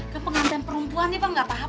kan pengantin perempuan nih pak gakpapa